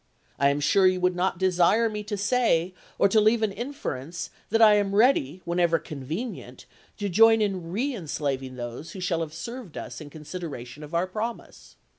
I am sure you would not desire me to say, or to leave an inference, that I am ready, whenever con venient, to join in reenslaving those who shall have served us in consideration of our promise.